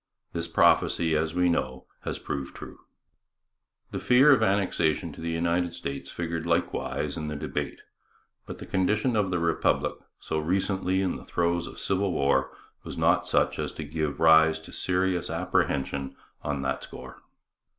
This prophecy, as we know, has proved true. The fear of annexation to the United States figured likewise in the debate, but the condition of the Republic, so recently in the throes of civil war, was not such as to give rise to serious apprehension on that score.